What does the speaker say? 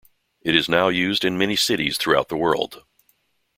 It is now used in many cities throughout the world.